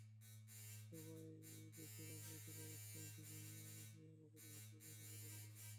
সভায় দেশের রাজনৈতিক অবস্থাসহ বিভিন্ন বিষয়ে আলোচনা হতে পারে বলে জানা গেছে।